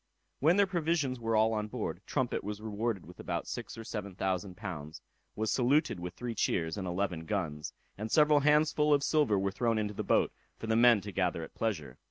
When their provisions were all on board, Trumpet was rewarded with about six or seven thousand pounds, was saluted with three cheers, and eleven guns; and several handsfull of silver were thrown into the boat, for the men to gather at pleasure.